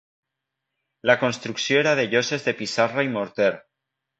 La construcció era de lloses de pissarra i morter.